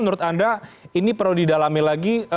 menurut anda ini perlu didalami lagi